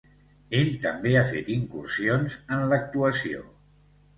Ell també ha fet incursions en l'actuació.